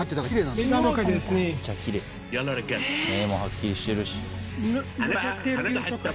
目もはっきりしてるし。